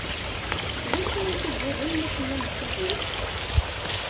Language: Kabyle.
D acu i tugadem ma tennam-d tidet?